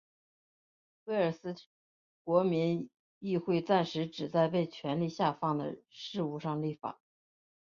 威尔斯国民议会暂时只在被权力下放的事务上立法。